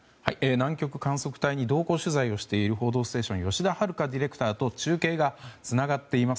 南極観測隊に同行取材している「報道ステーション」吉田遥ディレクターと中継がつながっています。